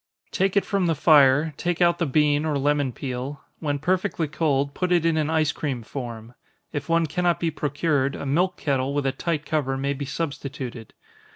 Take it from the fire, take out the bean, or lemon peel when perfectly cold, put it in an ice cream form if one cannot be procured, a milk kettle, with a tight cover, may be substituted.